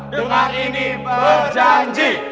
dengan ini berjanji